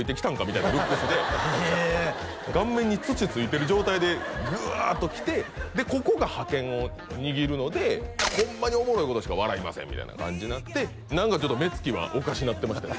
みたいなルックスで顔面に土ついてる状態でグワーっと来てでここが覇権を握るのでホンマにおもろいことしか笑いませんみたいな感じになって何かちょっと目つきはおかしなってました